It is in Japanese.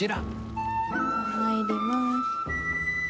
入れます。